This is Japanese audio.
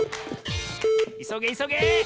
いそげいそげ！